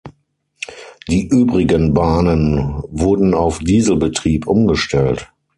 Die übrigen Bahnen wurden auf Dieselbetrieb umgestellt.